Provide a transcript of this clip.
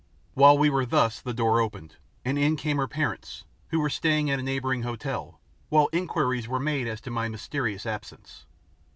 While we were thus the door opened, and in came her parents who were staying at a neighbouring hotel while inquiries were made as to my mysterious absence.